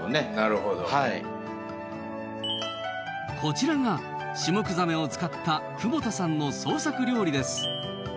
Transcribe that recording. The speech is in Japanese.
こちらがシュモクザメを使った久保田さんの創作料理です。